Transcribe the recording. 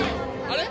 あれ。